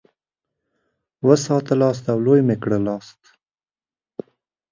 وساتلاست او لوی مي کړلاست.